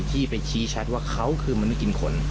ที่ไปชี้ชัดว่าเขาคือมนุษย์กินขน